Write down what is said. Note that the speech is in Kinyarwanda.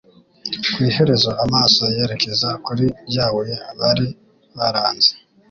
Ku iherezo amaso yerekeza kuri rya buye bari baranze.